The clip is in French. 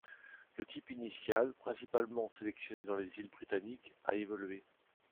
Le type initial, principalement sélectionné dans les îles britanniques, a évolué.